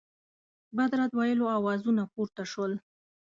بد رد ویلو آوازونه پورته سول.